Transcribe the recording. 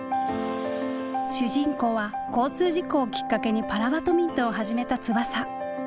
主人公は交通事故をきっかけにパラバドミントンを始めた翼。